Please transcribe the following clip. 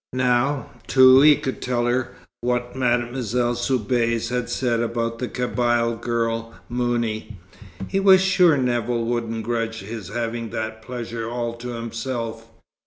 Now, too, he could tell her what Mademoiselle Soubise had said about the Kabyle girl, Mouni. He was sure Nevill wouldn't grudge his having that pleasure all to himself.